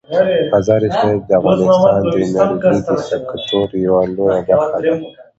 مزارشریف د افغانستان د انرژۍ د سکتور یوه لویه برخه ده.